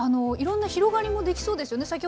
いろんな広がりもできそうですよね。